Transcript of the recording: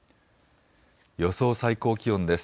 予想最高気温です。